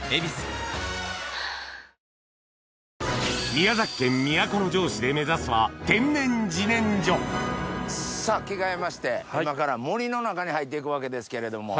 宮崎県都城市で目指すは天然自然薯さぁ着替えまして今から森の中に入って行くわけですけれども。